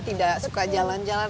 tidak suka jalan jalan